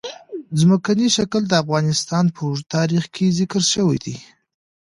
ځمکنی شکل د افغانستان په اوږده تاریخ کې ذکر شوی دی.